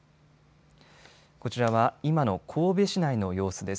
こちらは今の神戸市内の様子です。